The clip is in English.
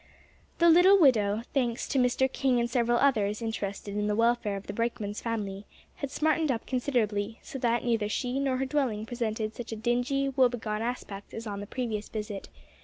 The little widow, thanks to Mr. King and several others interested in the welfare of the brakeman's family, had smartened up considerably, so that neither she nor her dwelling presented such a dingy, woe begone aspect as on the previous visit.